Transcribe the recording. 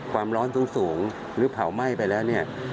ความร้อนสูงหรือเผาไหม้ไปแล้วเนี่ย